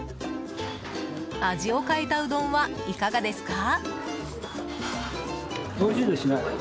味を変えたうどんはいかがですか？